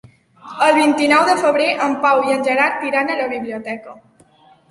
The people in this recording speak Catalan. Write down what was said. El vint-i-nou de febrer en Pau i en Gerard iran a la biblioteca.